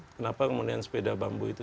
kenapa kemudian sepeda bambu itu